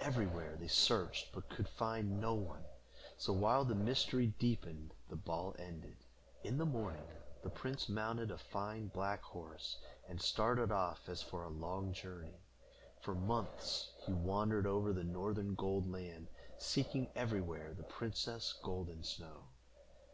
Everywhere they searched, but could find no one, so, while the mystery deepened, the ball ended. In the morning, the prince mounted a fine black horse, and started off as for a long journey. For months he wandered over the northern Gold Land, seeking everywhere the princess Golden Snow.